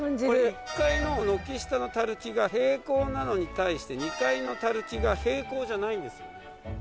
１階の軒下の垂木が平行なのに対して２階の垂木が平行じゃないんですよね。